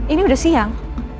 ini udah siang